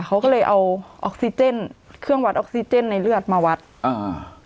เขาก็เลยเอาออกซิเจนเครื่องวัดออกซิเจนในเลือดมาวัดอ่า